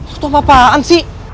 lo tuh apaan sih